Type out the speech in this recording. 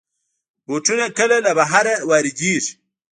بوټونه کله له بهر نه واردېږي.